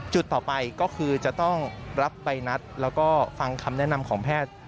จุดต่อไปก็คือจะต้องรับใบนัดแล้วก็ฟังคำแนะนำของแพทย์